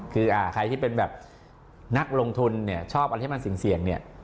คือใครที่เป็นนักลงทุนชอบที่มันเสี่ยง